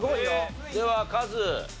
ではカズ。